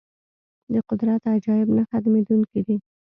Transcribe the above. د قدرت عجایب نه ختمېدونکي دي.